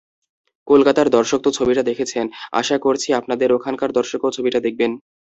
কলকাতার দর্শক তো ছবিটা দেখেছেন, আশা করছি আপনাদের ওখানকার দর্শকও ছবিটা দেখবেন।